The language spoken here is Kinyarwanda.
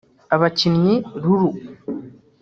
Abakinnyi Lulu